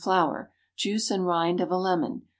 flour. Juice and rind of a lemon.